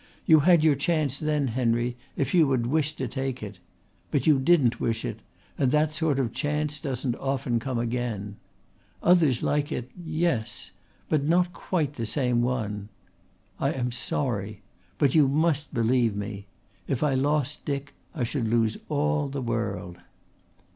You had your chance then, Henry, if you had wished to take it. But you didn't wish it, and that sort of chance doesn't often come again. Others like it yes. But not quite the same one. I am sorry. But you must believe me. If I lost Dick I should lose all the world."